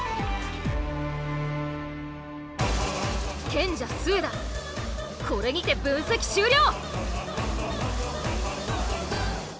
賢者・末田これにて分析終了！